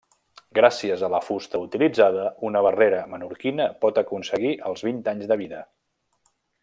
Gràcies a la fusta utilitzada, una barrera menorquina pot aconseguir els vint anys de vida.